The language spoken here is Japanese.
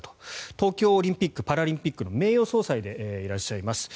東京オリンピック・パラリンピックの名誉総裁でいらっしゃいます。